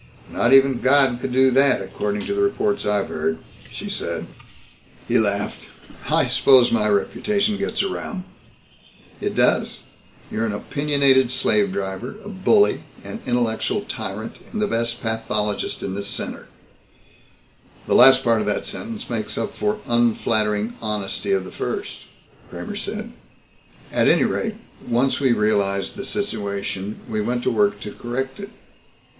"Not even God could do that, according to the reports I've heard," she said. He laughed. "I suppose my reputation gets around." "It does. You're an opinionated slave driver, a bully, an intellectual tyrant, and the best pathologist in this center." "The last part of that sentence makes up for unflattering honesty of the first," Kramer said. "At any rate, once we realized the situation we went to work to correct it.